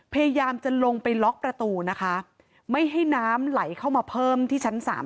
พยายามจะลงไปล็อกประตูนะคะไม่ให้น้ำไหลเข้ามาเพิ่มที่ชั้นสาม